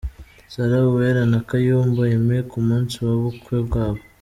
Sarah Uwera na Kayumba Aime ku munsi w'ubukwe bwabo.